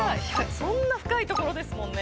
そんな深いところですもんね